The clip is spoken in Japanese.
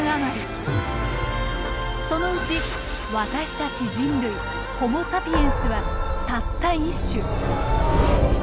そのうち私たち人類ホモ・サピエンスはたった１種。